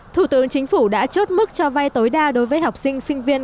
thủ tướng chính phủ đã chốt mức cho vay tối đa đối với học sinh sinh viên